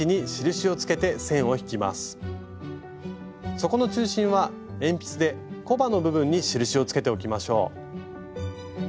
底の中心は鉛筆でコバの部分に印をつけておきましょう。